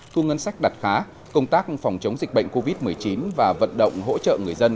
thu ngân sách đạt khá công tác phòng chống dịch bệnh covid một mươi chín và vận động hỗ trợ người dân